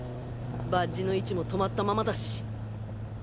バッジの位置も止まったままだし。